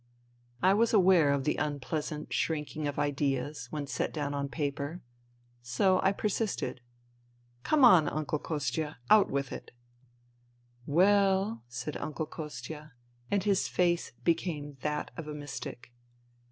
I was aware of the unpleasant shrinking of ideas when set down on paper. So I persisted: " Come on. Uncle Kostia ! out with it I "" Well," said Uncle Kostia, and his face became that of a mystic.